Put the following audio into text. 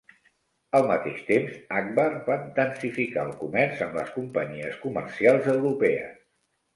Al mateix temps, Akbar va intensificar el comerç amb les companyies comercials europees.